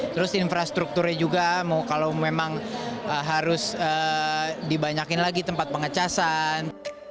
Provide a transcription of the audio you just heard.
terus infrastrukturnya juga kalau memang harus dibanyakin lagi tempat pengecasan